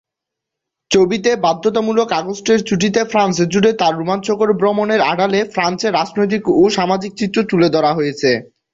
ছবিতে বাধ্যতামূলক আগস্টের ছুটিতে ফ্রান্স জুড়ে তার রোমাঞ্চকর ভ্রমণের আড়ালে ফ্রান্সের রাজনৈতিক ও সামাজিক চিত্র তুলে ধরা হয়েছে।